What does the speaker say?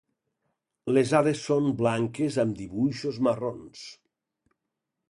Les ales són blanques amb dibuixos marrons.